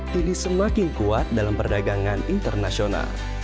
jadi semakin kuat dalam perdagangan internasional